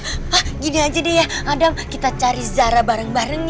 hah gini aja deh ya adam kita cari zara bareng bareng ya